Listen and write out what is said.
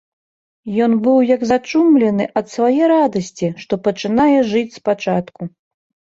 Ён быў як зачумлены ад свае радасці, што пачынае жыць спачатку.